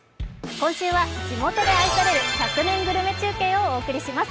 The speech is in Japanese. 今週は地元で愛される１００年グルメ中継をお送りします。